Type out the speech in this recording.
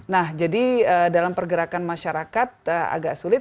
nah jadi dalam pergerakan masyarakat agak sulit